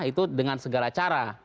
itu dengan segala cara